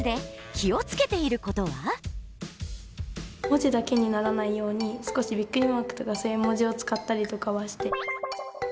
文字だけにならないように少しビックリマークとかそういう絵文字を使ったりとかはして。